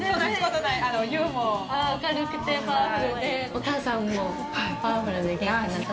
お母さんもパワフルで元気な方？